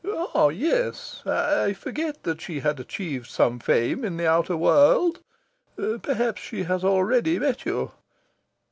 "Ah yes. I forgot that she had achieved some fame in the outer world. Perhaps she has already met you?"